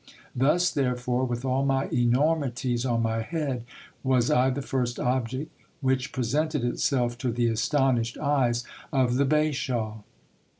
Thus therefore, with all my enormities on my head, was I the first object which presented itself to the astonished eyes of the bashaw.